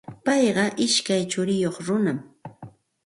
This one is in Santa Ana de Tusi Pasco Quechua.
Payqa ishkay churiyuq runam.